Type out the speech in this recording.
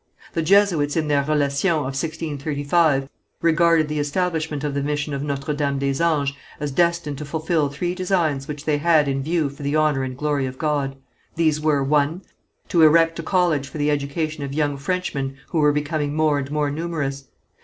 The Jesuits in their Relations of 1635 regarded the establishment of the mission of Notre Dame des Anges as destined to fulfil three designs which they had in view for the honour and glory of God. These were: (1.) To erect a college for the education of young Frenchmen who were becoming more and more numerous.